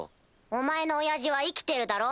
お前の親父は生きてるだろ。